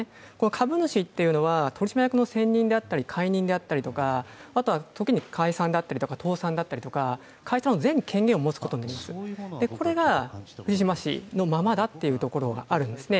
株主というのは取締役の選任であったり解任であったりとか、あとは時に解散だったり倒産だったり、解散の全権限を持つことなんです、これが藤島氏のままだったということがあるんですね。